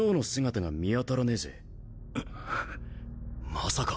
まさか。